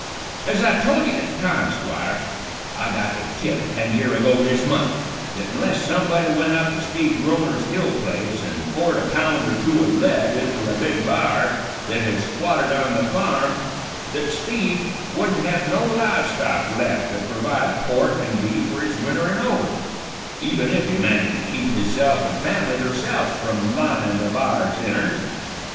"Ez I tol' ye at the time, Squire, I got the tip ten year ago this month, th't unless somebody went up to Steve Groner's hill place an' poured a pound or two o' lead inter a big b'ar th't had squatted on tha' farm, th't Steve wouldn't hev no live stock left to pervide pork an' beef fer his winterin' over, even if he managed to keep hisself an' fam'ly theirselfs from linin' the b'ar's innards.